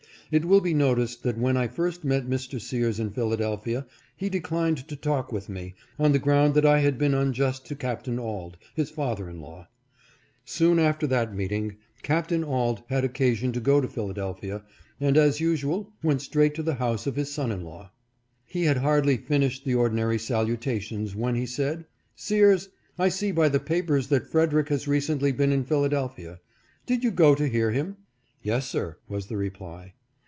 It will be noticed that when I first met Mr. Sears in Phil adelphia he declined to talk with me, on the ground that I had been unjust to Captain Auld, his father in law. Soon after that meeting Captain Auld had occasion to go to Phil adelphia, and, as usual, went straight to the house of his son in law. He had hardly finished the ordinary saluta tions when he said :" Sears, I see by the papers that Frederick has recently been in Philadelphia. Did you go to hear him?" "Yes, sir," was the reply.